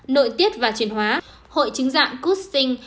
nội tiết và truyền hóa hội chứng dạng custin